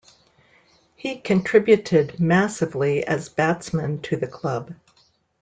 He contributed massively as batsman to the club.